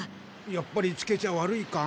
やっぱりつけちゃ悪いか？